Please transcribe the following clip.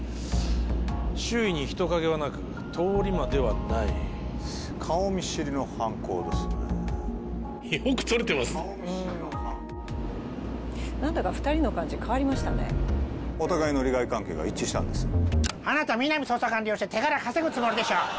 周囲に人影はなく通り魔ではない顔見知りの犯行ですね何だか２人の感じ変わりましたねお互いの利害関係が一致したんですあなた皆実捜査官利用して手柄稼ぐつもりでしょ